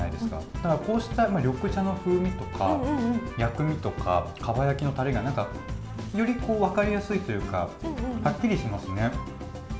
だからこうした緑茶の風味とか薬味とか蒲焼きのたれがより分かりやすいというか、はっきりしますね。